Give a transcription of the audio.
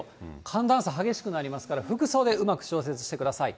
寒暖差、激しくなりますから、服装でうまく調節してください。